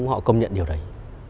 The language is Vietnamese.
họ công nhận điều đấy